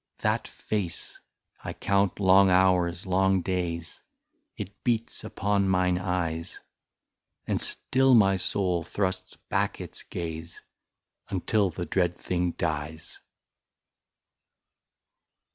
43 That face !— I count long hours, long days, It beats upon mine eyes ; And still my soul thrusts back its gaze, Until the dread thing dies.